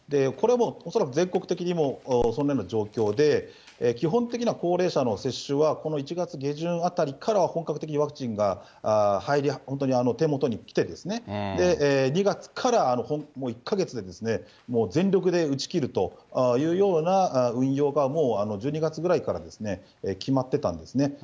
これも恐らく全国的にもそんなような状況で、基本的な高齢者の接種は、この１月下旬あたりから本格的にワクチンが入り、本当に手元に来て、２月からもう１か月で、全力で打ち切るというような運用がもう１２月ぐらいから決まってたんですね。